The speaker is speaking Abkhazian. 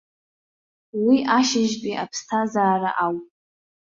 Уи ашьыжьтәи аԥсҭазаара ауп.